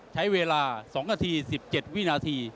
ใช้เวลา๒นาที๑๗วินาที